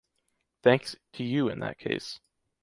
Thanks to you in that case.